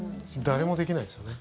誰もできないですよね。